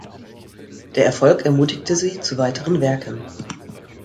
Der Erfolg ermutigte sie zu weiteren Werken.